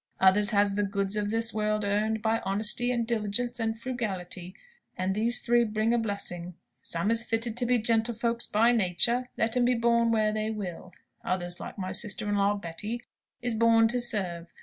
Others has the goods of this world earned by honesty, and diligence, and frugality; and these three bring a blessing. Some is fitted to be gentlefolks by nature, let 'em be born where they will. Others, like my sister in law Betty, is born to serve.